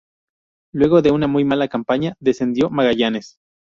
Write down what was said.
Luego de una muy mala campaña, descendió Magallanes.